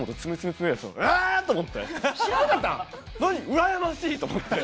うらやましいと思って。